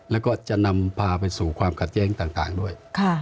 แล้วก็จะนำพาไปสู่ความขัดแย้งต่างด้วย